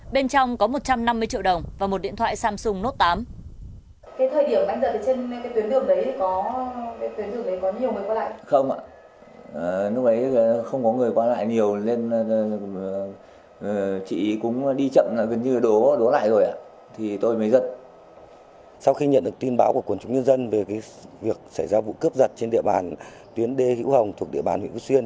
bên trong có một trăm năm mươi triệu đồng và một điện thoại samsung note tám